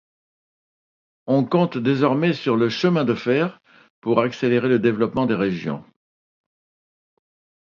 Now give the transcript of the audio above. On compte désormais sur le chemin de fer pour accélérer le développement des régions.